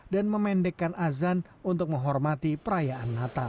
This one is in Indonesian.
dan memendekkan azan untuk menghormati perayaan natal